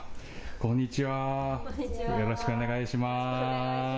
こんにちは、よろしくお願いします。